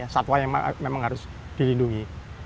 satwa yang memang harus dilindungi